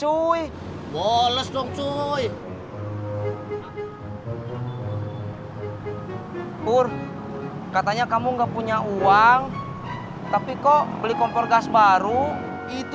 hai bolos dong cuy pur katanya kamu enggak punya uang tapi kok beli kompor gas baru itu